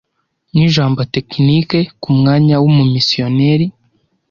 nijambo tekinike kumwanya wumumisiyoneri